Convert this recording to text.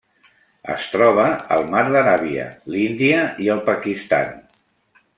Es troba al mar d'Aràbia: l'Índia i el Pakistan.